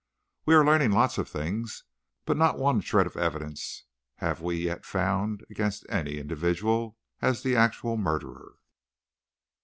We are learning lots of things, but not one shred of evidence have we yet found against any individual as the actual murderer."